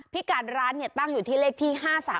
พิการร้านเนี่ยตั้งอยู่ที่เลขที่๕๓๐